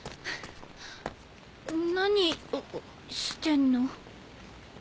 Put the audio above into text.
何してんの？